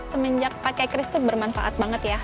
semenjak pakai cris tuh bermanfaat banget ya